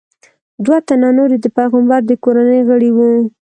دوه تنه نور یې د پیغمبر د کورنۍ غړي وو.